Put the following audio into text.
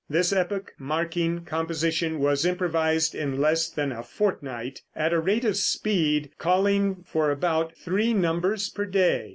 This epoch marking composition was improvised in less than a fortnight, a rate of speed calling for about three numbers per day.